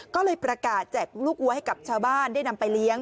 ก็เลยประกาศแจกลูกวัวให้กับชาวบ้านได้นำไปเลี้ยง